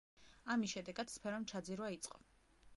ამის შედეგად, სფერომ ჩაძირვა იწყო.